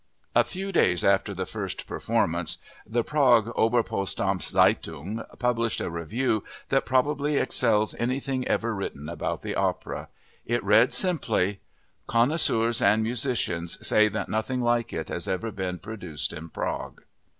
A few days after the first performance the Prague Oberpostamtszeitung published a review that probably excels anything ever written about the opera. It read simply: "Connoisseurs and musicians say that nothing like it has ever been produced in Prague."